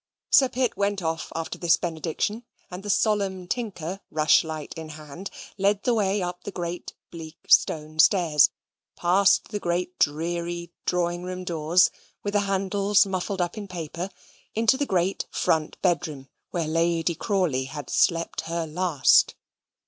Sir Pitt went off after this benediction, and the solemn Tinker, rushlight in hand, led the way up the great bleak stone stairs, past the great dreary drawing room doors, with the handles muffled up in paper, into the great front bedroom, where Lady Crawley had slept her last.